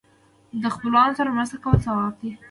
د خپلوانو سره مرسته کول ثواب دی.